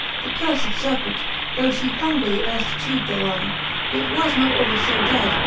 The curied Serpent, though fhe hungrily Earft chawd thereon, yet was not all fb dead.